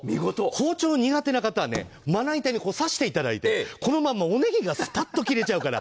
包丁が苦手な人はまな板に刺していただいてこのままおネギがスパッと切れちゃうから。